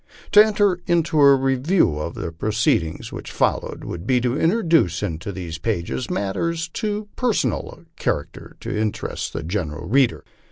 To enter into a review of the proceed ings which followed, would be to introduce into these pages matters of too per sonal a character to interest the general reader.